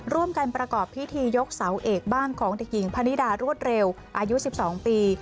ร่วมกันประกอบพิธียกเสาเอกบ้านของเด็กหญิงพนิดารวดเร็วอายุ๑๒ปี